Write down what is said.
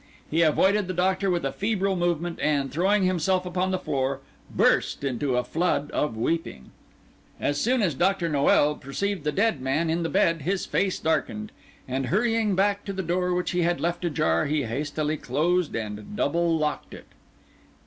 He avoided the Doctor with a febrile movement, and, throwing himself upon the floor, burst into a flood of weeping. As soon as Dr. Noel perceived the dead man in the bed his face darkened; and hurrying back to the door which he had left ajar, he hastily closed and double locked it.